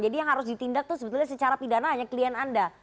jadi yang harus ditindak itu secara pidana hanya klien anda